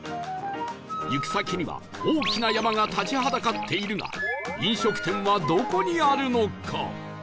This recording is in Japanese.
行く先には大きな山が立ちはだかっているが飲食店はどこにあるのか？